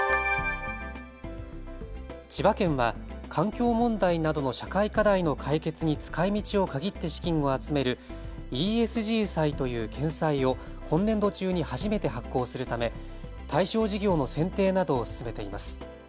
千葉県は環境問題などの社会課題の解決に使いみちを限って資金を集めるＥＳＧ債という県債を今年度中に初めて発行するため、対象事業の選定などを進めています。